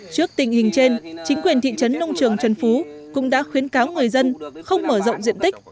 trước tình hình trên chính quyền thị trấn nông trường trần phú cũng đã khuyến cáo người dân không mở rộng diện tích